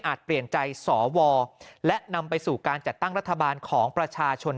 เปลี่ยนใจสวและนำไปสู่การจัดตั้งรัฐบาลของประชาชน